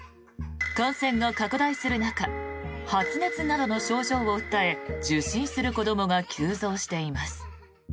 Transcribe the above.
感染が拡大する中発熱などの症状を訴え受診する子どもが急増しています。